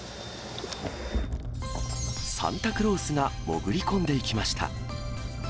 サンタクロースが潜り込んでいきました。